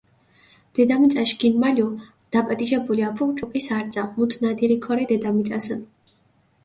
დედამიწაშ გილმალუ დაპატიჟებული აფუ ჭუკის არძა, მუთ ნადირი ქორე დედამიწასჷნ.